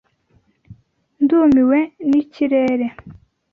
Ndumiwe nikirere.